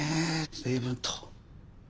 随分と。